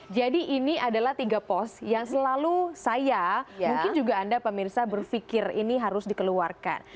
jadi ini adalah tiga pos yang selalu saya mungkin juga anda pak mirsa berpikir ini harus dikeluarkan